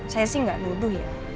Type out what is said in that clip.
saya sih nggak nuduh ya